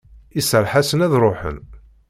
Iserreḥ-asen ad ruḥen.